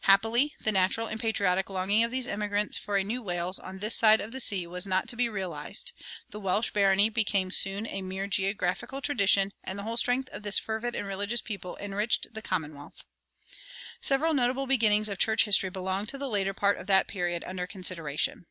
Happily, the natural and patriotic longing of these immigrants for a New Wales on this side the sea was not to be realized. The "Welsh Barony" became soon a mere geographical tradition, and the whole strength of this fervid and religious people enriched the commonwealth.[118:1] Several notable beginnings of church history belong to the later part of the period under consideration.